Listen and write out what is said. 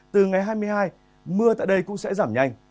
từ ngày hai mươi hai mưa tại đây cũng sẽ giảm nhanh